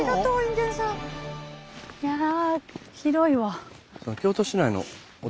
いやあ広いわ。